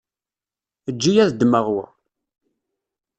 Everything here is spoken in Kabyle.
Eǧǧ-iyi ad ddmeɣ wa.